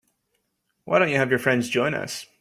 Why don't you have your friends join us?